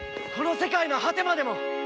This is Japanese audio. この世界の果てまでも！